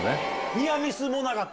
ニアミスもなかった？